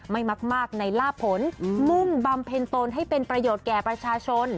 ไม่มากในลาบผลมุ่งบำเพ็ญตนให้เป็นประโยชน์แก่ประชาชน